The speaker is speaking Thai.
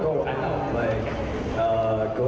ฉันอยากไปกัน